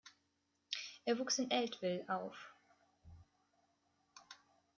Er wuchs in Eltville auf.